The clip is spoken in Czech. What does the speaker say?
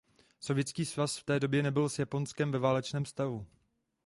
Sovětský svaz v té době nebyl s Japonskem ve válečném stavu.